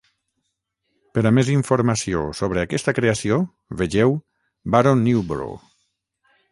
Per a més informació sobre aquesta creació, vegeu Baron Newborough.